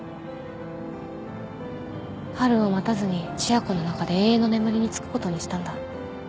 春を待たずに千夜子の中で永遠の眠りにつくことにしたんだ。